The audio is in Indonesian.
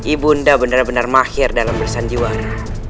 ibu unda benar benar mahir dalam bersanjuar